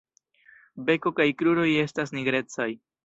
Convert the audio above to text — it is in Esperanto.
Beko kaj kruroj estas nigrecaj.